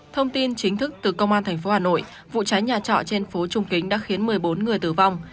thông tin chính thức từ công an tp hà nội vụ cháy nhà trọ trên phố trung kính đã khiến một mươi bốn người tử vong